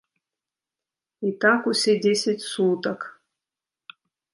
І так усе дзесяць сутак.